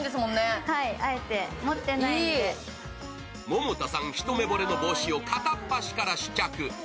百田さん、ひと目ぼれの帽子を片っ端から試着。